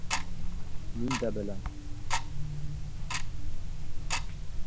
Мин дә беләм.